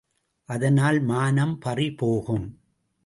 அதனால் மானம் பறி போகும்.